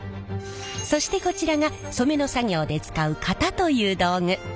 そしてこちらが染めの作業で使う型という道具。